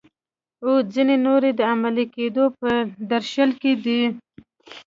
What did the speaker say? او ځینې نورې د عملي کیدو په درشل کې دي.